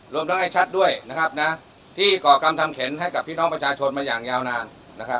รวมทั้งไอ้ชัดด้วยนะครับนะที่ก่อกรรมทำเข็นให้กับพี่น้องประชาชนมาอย่างยาวนานนะครับ